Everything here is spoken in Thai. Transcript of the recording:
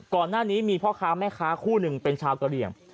ก่อนหน้านี้มีพ่อค้าแม่ค้าคู่หนึ่งเป็นชาวกะเหลี่ยง